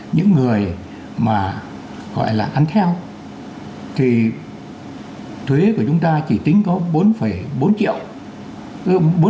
những người mà gọi là ăn theo thì thuế của chúng ta chỉ tính có bốn bốn triệu